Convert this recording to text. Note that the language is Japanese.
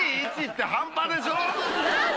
２２１って半端でしょ。